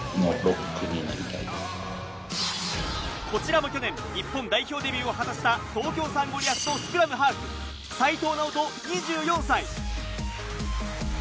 こちらも去年、日本代表デビューを果たした東京サンゴリアスのスクラムハーフ、齋藤直人２４歳。